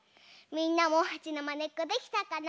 みんなもはちのまねっこできたかな？